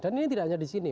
dan ini tidak hanya di sini